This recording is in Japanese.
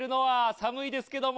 寒いですけども。